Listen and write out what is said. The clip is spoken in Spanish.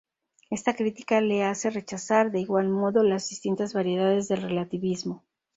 Esta crítica le hace rechazar, de igual modo las distintas variedades del relativismo.